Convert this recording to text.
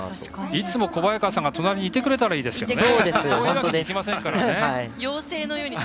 いつも小早川さんが隣にいてくれたらいいですけどね。